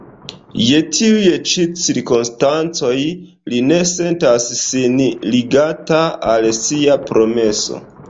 Je tiuj ĉi cirkonstancoj li ne sentas sin ligata al sia promeso.